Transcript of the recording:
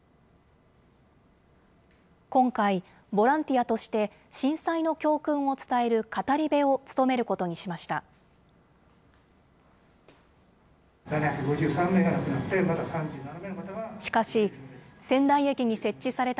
今回、ボランティアとして震災の教訓を伝える語り部を務めることにしました。